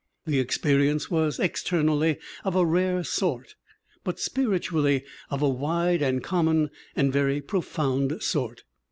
The experience was externally of a rare sort but spiritually of a wide and common and very profound sort.